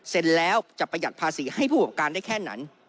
แล้วจะประหยัดภาษีให้ผู้ประกอบการได้แค่ไหน